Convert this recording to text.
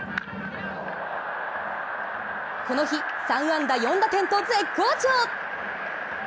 この日、３安打４打点と絶好調。